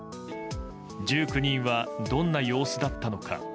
１９人はどんな様子だったのか。